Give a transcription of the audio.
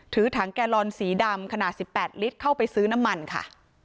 ถือถังแกลลอนสีดำขนาด๑๘ลิตรเข้าไปซื้อน้ำมันค่ะ